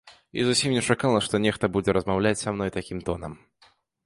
І зусім не чакала, што нехта будзе размаўляць са мной такім тонам.